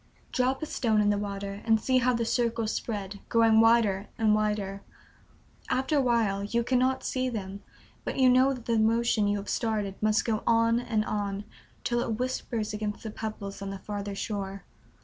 Drop a stone in the water and see how the circles spread, growing wider and wider. After a while you cannot see them, but you know that the motion you have started must go on and on till it whispers against the pebbles on the farther shore.